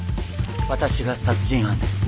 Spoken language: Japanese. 私が殺人犯です。